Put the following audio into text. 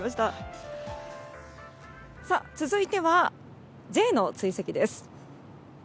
続いては、Ｊの追跡です。